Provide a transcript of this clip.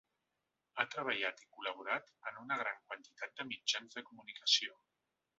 Ha treballat i col·laborat en una gran quantitat de mitjans de comunicació.